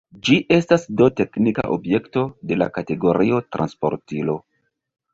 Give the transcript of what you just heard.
Ĝi estas do teknika objekto, de la kategorio «transportilo».